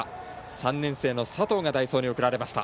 ３年生の佐藤が代走に送られました。